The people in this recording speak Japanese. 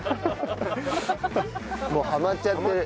もうハマっちゃってる。